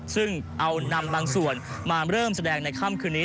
ซึ่งเอานำบางส่วนมาเริ่มแสดงในค่ำคืนนี้